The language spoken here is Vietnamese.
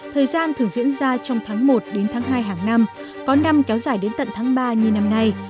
thời gian thường diễn ra trong tháng một đến tháng hai hàng năm có năm kéo dài đến tận tháng ba như năm nay